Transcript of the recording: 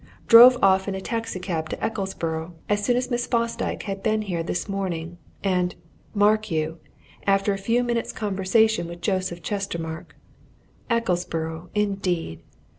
Drove off in a taxi cab to Ecclesborough, as soon as Miss Fosdyke had been here this morning. And mark you! after a few minutes' conversation with Joseph Chestermarke. Ecclesborough, indeed!